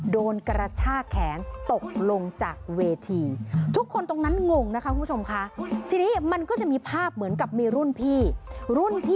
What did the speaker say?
โดนกระชากแขนตกลงจากเวทีทุกคนตรงนั้นงงนะคะคุณผู้ชมค่ะทีนี้มันก็จะมีภาพเหมือนกับมีรุ่นพี่รุ่นพี่